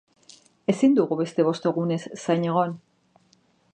Ezin dugu beste bost egunez zain egon.